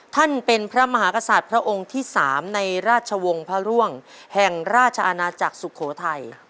ท่านเป็นพระมหากษัตริย์พระองค์ที่๓ในราชวงศ์พระร่วงแห่งราชอาณาจักรสุโขทัย